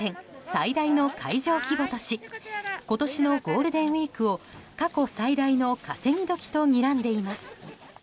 最大の会場規模とし今年のゴールデンウィークを過去最大の稼ぎ時とにらんでいます。